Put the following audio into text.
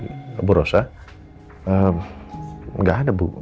ibu rosa nggak ada bu